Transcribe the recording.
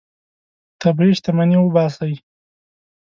طبیعي شتمني وباسئ.